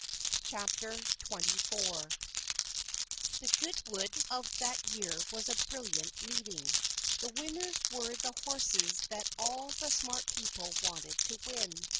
CHAPTER XXIV The Goodwood of that year was a brilliant meeting. The winners were the horses that all the smart people wanted to win.